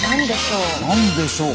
何でしょう。